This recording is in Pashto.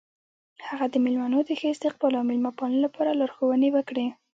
هغه د میلمنو د ښه استقبال او میلمه پالنې لپاره لارښوونې وکړې.